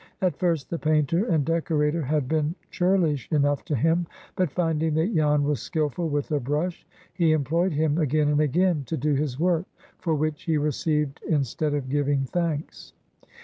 At first the painter and decorator had been churlish enough to him, but, finding that Jan was skilful with a brush, he employed him again and again to do his work, for which he received instead of giving thanks.